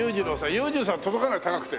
裕次郎さんは届かない高くて。